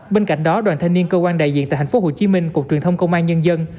bên cạnh đó đoàn thanh niên cơ quan đại diện tại thành phố hồ chí minh cục truyền thông công an nhân dân